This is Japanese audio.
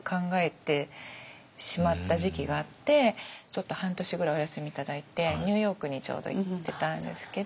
ちょっと半年ぐらいお休み頂いてニューヨークにちょうど行ってたんですけど。